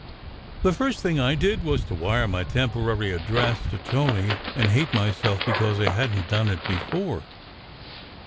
The first thing I did was to wire my temporary address to Tony, and hate myself because I hadn t done it before.